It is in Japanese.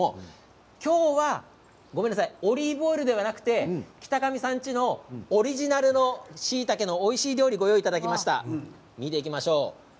今日はオリーブオイルではなくて北上さん家のオリジナルのしいたけがおいしい料理をご用意しました。